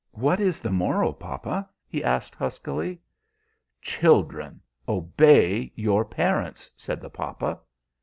"What is the moral, papa?" he asked, huskily. "Children, obey your parents," said the papa.